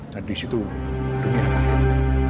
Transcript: nah disitu dunia akan